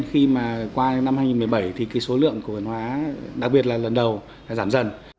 khi mà qua năm hai nghìn một mươi bảy thì số lượng cổ phần hóa đặc biệt là lần đầu giảm dần